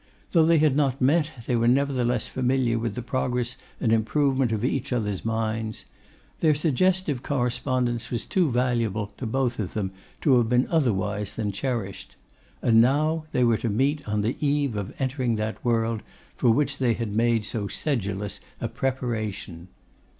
Though they had not met, they were nevertheless familiar with the progress and improvement of each other's minds. Their suggestive correspondence was too valuable to both of them to have been otherwise than cherished. And now they were to meet on the eve of entering that world for which they had made so sedulous a preparation.